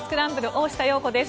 大下容子です。